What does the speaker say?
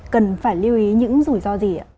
cần phải lưu ý những rủi ro gì ạ